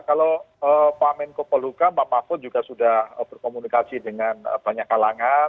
kalau pak menko peluka pak mahfud juga sudah berkomunikasi dengan banyak kalangan